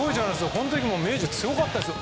この時も明治強かったですよ。